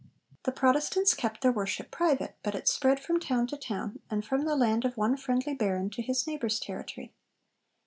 The Protestants kept their worship private, but it spread from town to town, and from the land of one friendly baron to his neighbours' territory.